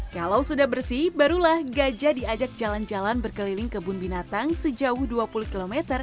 kalau sudah bersih barulah gajah diajak jalan jalan berkeliling kebun binatang sejauh dua puluh km